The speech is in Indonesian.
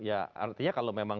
artinya kalau memang